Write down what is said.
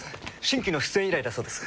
新規の出演依頼だそうです。